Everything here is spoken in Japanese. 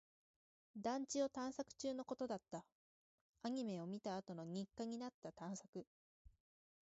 団地を探索中のことだった。アニメを見たあとの日課になった探索。